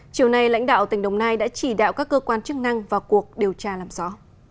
chiều nay lãnh đạo tỉnh đồng nai đã chỉ đạo các cơ quan chức năng vào cuộc điều tra làm rõ